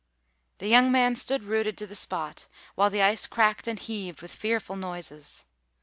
The young man stood rooted to the spot, while the ice cracked and heaved with fearful noises.